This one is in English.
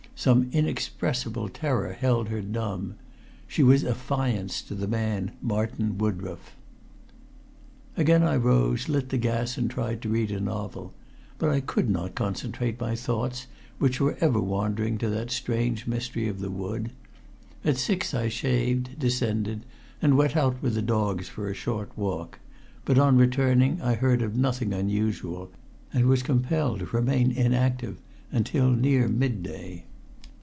Some inexpressible terror held her dumb she was affianced to the man Martin Woodroffe. Again I rose, lit the gas, and tried to read a novel. But I could not concentrate my thoughts, which were ever wandering to that strange mystery of the wood. At six I shaved, descended, and went out with the dogs for a short walk; but on returning I heard of nothing unusual, and was compelled to remain inactive until near mid day.